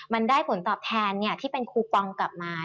มันได้ผลตอบแทนที่เป็นคูปองกลับมา